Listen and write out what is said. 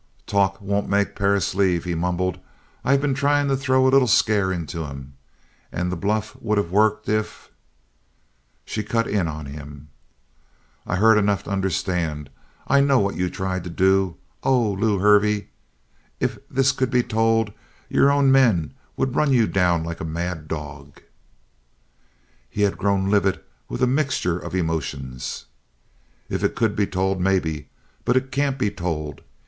"Talk wouldn't make Perris leave," he mumbled. "I been trying to throw a little scare into him. And the bluff would of worked if " She cut in on him: "I heard enough to understand. I know what you tried to do. Oh, Lew Hervey, if this could be told, your own men would run you down like a mad dog!" He had grown livid with a mixture of emotions. "If it could be told. Maybe. But it can't be told!